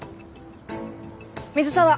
水沢。